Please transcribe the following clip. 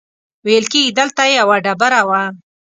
ویل کېږي دلته یوه ډبره وه.